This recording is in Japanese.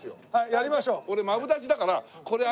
やりましょう。